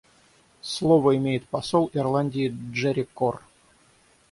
Слово имеет посол Ирландии Джерри Корр.